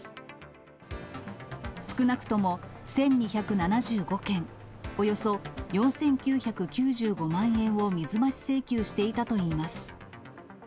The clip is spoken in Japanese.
少なくとも１２７５件、およそ４９９５万円を水増し請求していたといいます。